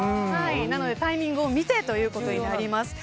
なので、タイミングを見てということになります。